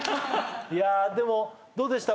いやあでもどうでした